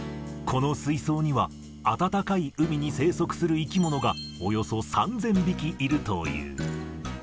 この水槽には、暖かい海に生息する生き物が、およそ３０００匹いるという。